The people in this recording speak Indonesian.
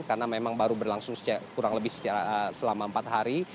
karena memang baru berlangsung kurang lebih selama empat hari